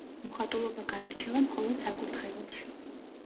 მოხატულობა გაირჩევა მხოლოდ საკურთხეველში.